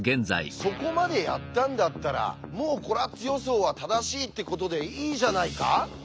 そこまでやったんだったらもうコラッツ予想は正しいってことでいいじゃないか？